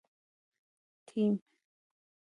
ټیم